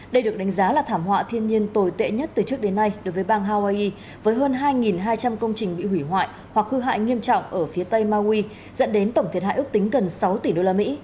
đây được đánh giá là thảm họa thiên nhiên tồi tệ nhất từ trước đến nay đối với bang hawaii với hơn hai hai trăm linh công trình bị hủy hoại hoặc hư hại nghiêm trọng ở phía tây maui dẫn đến tổng thiệt hại ước tính gần sáu tỷ usd